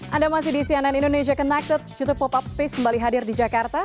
anda masih di cnn indonesia connected youtube pop up space kembali hadir di jakarta